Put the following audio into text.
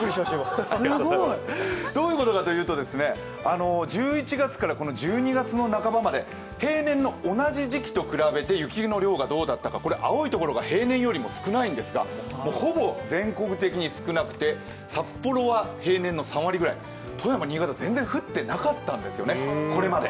どういうことかというと、１１月から１２月の半ばまで平年の同じ時期と比べて雪の量がどうだったか、青いところが平年より少ないんですがほぼ全国的に少なくて、札幌は平年の３割ぐらい富山、新潟は全然降っていなかったんですね、これまで。